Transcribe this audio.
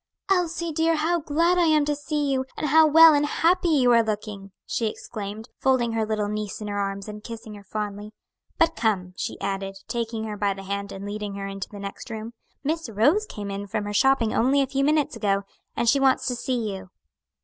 "Elsie, dear, how glad I am to see you! and how well and happy you are looking!" she exclaimed, folding her little niece in her arms, and kissing her fondly. "But come," she added, taking her by the hand and leading her into the next room, "Miss Rose came in from her shopping only a few minutes ago, and she wants to see you."